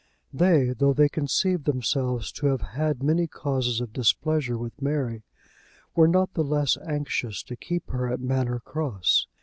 They, though they conceived themselves to have had many causes of displeasure with Mary, were not the less anxious to keep her at Manor Cross.